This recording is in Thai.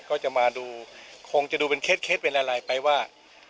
ก็จะมาดูคงจะดูเป็นเคล็ดเป็นอะไรไปว่า